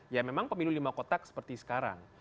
ya memang pemilu lima kotak seperti sekarang